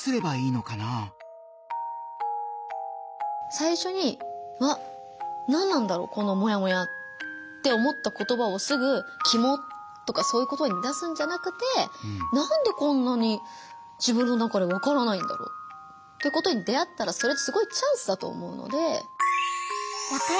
最初に「わっ何なんだろうこのモヤモヤ」って思った言葉をすぐ「キモッ」とかそういう言葉に出すんじゃなくて何でこんなに自分の中で分からないんだろうってことに出会ったらそれってすごいチャンスだと思うので。